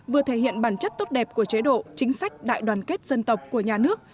vừa thể hiện bản chất tốt đẹp của chế độ chính sách đại đoàn kết dân tộc của nhà nước